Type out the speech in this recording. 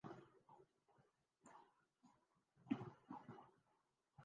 ملتان کے شائقین کرکٹ کو پاکستان اور ویسٹ انڈیز کے مابین میچ کا انتظار